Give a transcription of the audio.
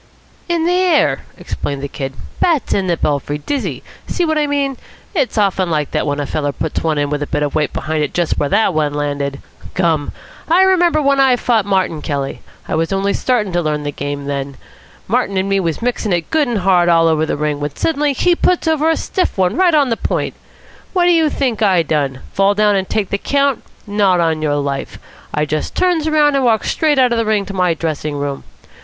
"In the air," explained the Kid. "Bats in the belfry. Dizzy. See what I mean? It's often like that when a feller puts one in with a bit of weight behind it just where that one landed. Gum! I remember when I fought Martin Kelly; I was only starting to learn the game then. Martin and me was mixing it good and hard all over the ring, when suddenly he puts over a stiff one right on the point. What do you think I done? Fall down and take the count? Not on your life. I just turns round and walks straight out of the ring to my dressing room.